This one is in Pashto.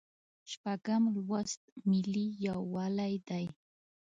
شپږم لوست ملي یووالی دی.